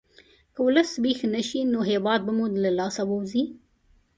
که ولس ویښ نه شي، نو هېواد به مو له لاسه ووځي.